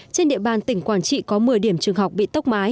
trên địa bàn tỉnh quảng trị có một mươi điểm trường học bị tốc mái